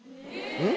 うん？